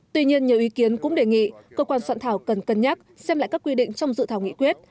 tuy nhiên nhiều ý kiến cũng đề nghị cơ quan soạn thảo cần cân nhắc xem lại các quy định trong dự thảo nghị quyết